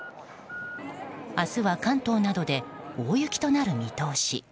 明日は関東などで大雪となる見通し。